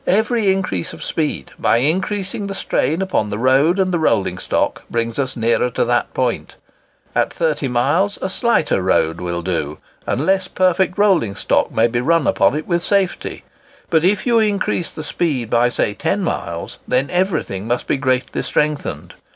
Every increase of speed, by increasing the strain upon the road and the rolling stock, brings us nearer to that point. At 30 miles a slighter road will do, and less perfect rolling stock may be run upon it with safety. But if you increase the speed by say 10 miles, then everything must be greatly strengthened.